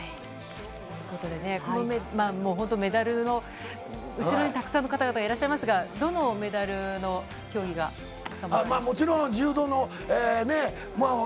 ということでね、本当、メダルの後ろにたくさんの方々がいらっしゃいますが、どのメダルの競技が、さんまさんは。